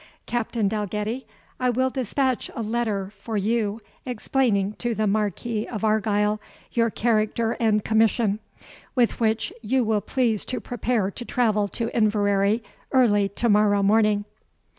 Captain Dalgetty, I will dispatch a letter for you, explaining to the Marquis of Argyle your character and commission, with which you will please to prepare to travel to Inverary early to morrow morning."